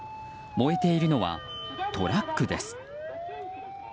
燃えているのはトラックです。